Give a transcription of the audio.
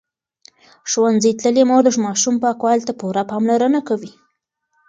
ښوونځې تللې مور د ماشوم پاکوالي ته پوره پاملرنه کوي.